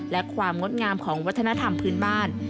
และความงดงามของวัฒนธรรมพื้นบ้าน